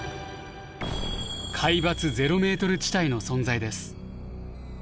「海抜ゼロメートル地帯」の存在です。